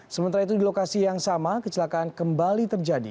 sementara itu di lokasi yang sama kecelakaan kembali terjadi